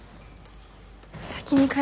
先に帰るね。